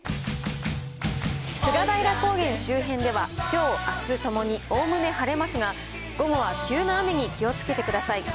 菅平高原周辺では、きょう、あすともにおおむね晴れますが、午後は急な雨に気をつけてください。